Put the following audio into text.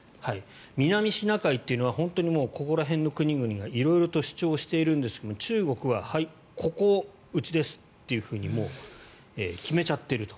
南シナ海というのは本当にここら辺の国々が色々と主張しているんですが中国は、ここうちですともう、決めちゃってると。